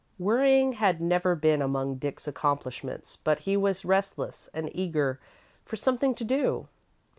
Worrying had never been among Dick's accomplishments, but he was restless, and eager for something to do.